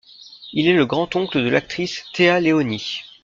Il est le grand-oncle de l'actrice Téa Leoni.